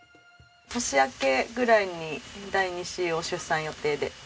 年明けぐらいに第２子を出産予定で。